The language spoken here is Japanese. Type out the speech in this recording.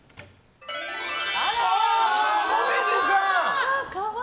あら！